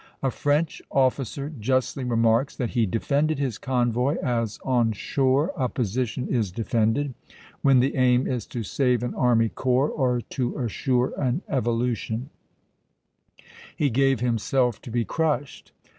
A French officer justly remarks that "he defended his convoy as on shore a position is defended, when the aim is to save an army corps or to assure an evolution; he gave himself to be crushed.